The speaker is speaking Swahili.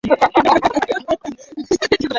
ari hii imepewa uzito kutokana na salum kuwa ni mwenye